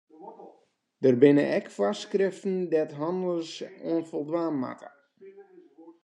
Der binne ek foarskriften dêr't hannelers oan foldwaan moatte.